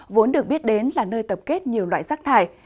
vốn được biết đến là nơi tập kết nhiều loại rác thải